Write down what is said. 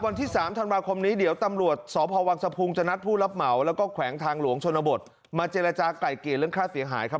แล้วก็แขวงทางหลวงชนบทมาเจรจาไก่เกลียดเรื่องฆ่าเสียหายครับ